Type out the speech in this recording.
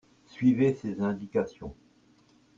suivez ses indications.